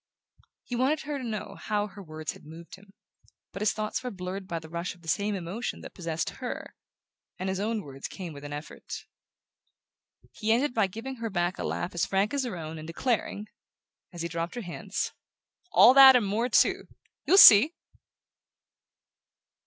He wanted her to know how her words had moved him; but his thoughts were blurred by the rush of the same emotion that possessed her, and his own words came with an effort. He ended by giving her back a laugh as frank as her own, and declaring, as he dropped her hands: "All that and more too you'll see!"